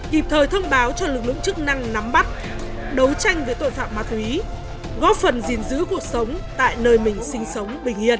kịp thời thông báo cho lực lượng chức năng nắm bắt đấu tranh với tội phạm ma túy góp phần gìn giữ cuộc sống tại nơi mình sinh sống bình yên